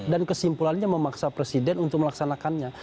dan kesimpulannya memaksa presiden untuk melaksanakannya